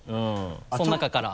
その中から。